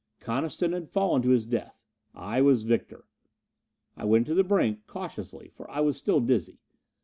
Coniston had fallen to his death. I was victor. I went to the brink, cautiously, for I was still dizzy.